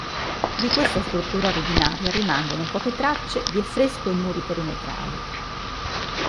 Di questa struttura originaria rimangono poche tracce di affresco e muri perimetrali.